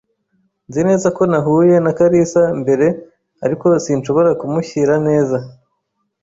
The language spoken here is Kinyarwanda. Nzi neza ko nahuye na kalisa mbere, ariko sinshobora kumushyira neza.